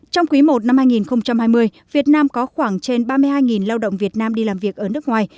trong quý i năm hai nghìn hai mươi việt nam có khoảng trên ba mươi hai lao động việt nam đi làm việc ở nước ngoài